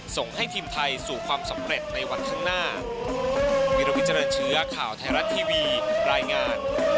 ส่งให้ทีมไทยสู่ความสำเร็จในวันข้างหน้า